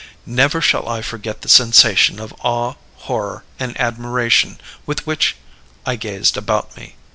"Never shall I forget the sensation of awe, horror, and admiration with which I gazed about me.